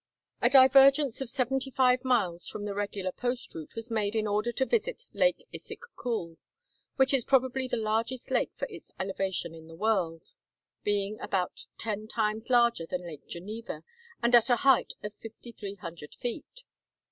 A divergence of seventy five miles from the regular post route was made in order to visit Lake Issik Kul, which is probably the largest lake for its elevation in the world, being about ten times larger than Lake Geneva, and at a height of 5300 feet.